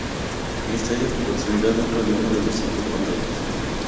El estadio se construirá dentro de uno de los cinco condados.